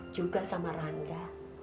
juga sama rangga